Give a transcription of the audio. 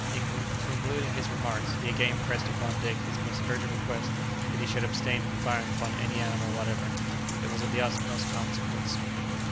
In concluding his remarks, he again pressed upon Dick his most urgent request that he should abstain from firing upon any animal whatever. It was of the utmost consequence.